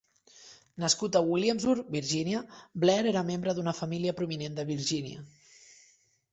Nascut a Williamsburg, Virgínia, Blair era membre d'una família prominent de Virgínia.